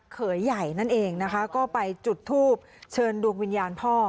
เขยใหญ่นั่นเองนะคะก็ไปจุดทูบเชิญดวงวิญญาณพ่อ